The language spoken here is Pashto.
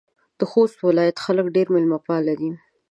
د خوست ولایت خلک ډېر میلمه پاله دي.